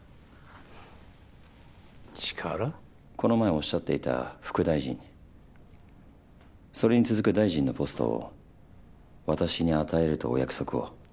この前おっしゃっていた副大臣それに続く大臣のポストを私に与えるとお約束を。